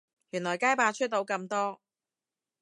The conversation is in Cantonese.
原來街霸出到咁多